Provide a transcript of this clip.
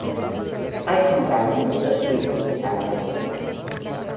Hay generalmente dos tipos de sala de espera.